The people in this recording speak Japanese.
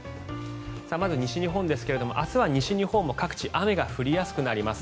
まず西日本ですが明日は西日本も各地雨が降りやすくなります。